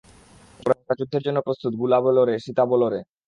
ওরা যুদ্ধের জন্য প্রস্তুত, গুলাবো লড়ে, সিতাবো লড়ে।